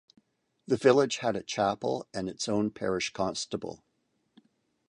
The village had a chapel and its own parish constable.